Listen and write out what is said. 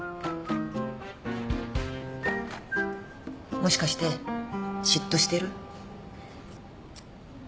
もしかして嫉妬してる？